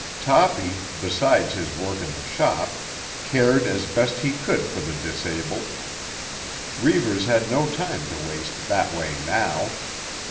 Toppy, besides his work in the shop, cared as best he could for the disabled. Reivers had no time to waste that way now.